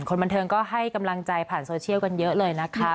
คนบันเทิงก็ให้กำลังใจผ่านโซเชียลกันเยอะเลยนะคะ